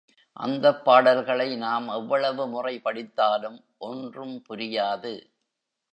அந்தப் பாடல்களை நாம் எவ்வளவு முறை படித்தாலும் ஒன்றும் புரியாது.